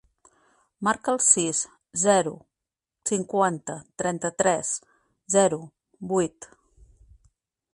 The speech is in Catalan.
Marca el sis, zero, cinquanta, trenta-tres, zero, vuit.